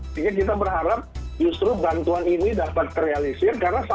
sehingga kita berharap justru barang barangnya di dalam gregre retail modern